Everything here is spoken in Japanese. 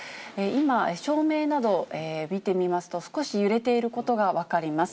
今、照明など見てみますと、少し揺れていることが分かります。